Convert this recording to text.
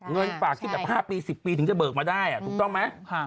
เงินฝากที่แบบ๕ปี๑๐ปีถึงจะเบิกมาได้ถูกต้องไหม